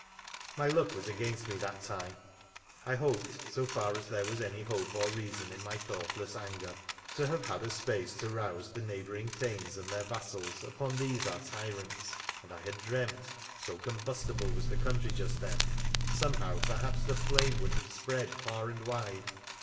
My luck was against me that time. I hoped, so far as there was any hope or reason in my thoughtless anger, to have had a space to rouse the neighbouring thanes and their vassals upon these our tyrants, and I had dreamt, so com bustible was the country just then, somehow perhaps the flame would have spread far and wide.